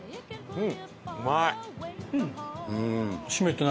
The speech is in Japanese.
うん！